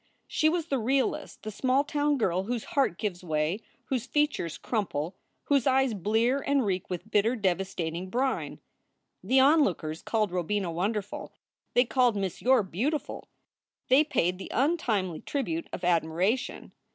She was the realist, the small town girl whose heart gives way, whose features crumple, whose eyes blear and reek with bitter, devastating brine. The onlookers called Robina wonderful. They called Miss Yore beautiful. They paid the untimely tribute of admiration.